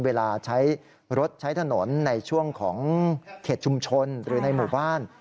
เวลาใช้รถใช้ถนนในช่วงของเขตชุมชนหรือในหมู่บ้าน